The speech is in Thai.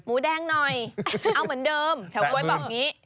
แดงหน่อยเอาเหมือนเดิมเฉาก๊วยบอกอย่างนี้